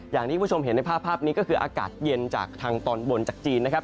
อย่างที่คุณผู้ชมเห็นในภาพนี้ก็คืออากาศเย็นจากทางตอนบนจากจีนนะครับ